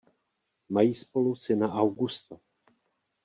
Mají spolu syna Augusta.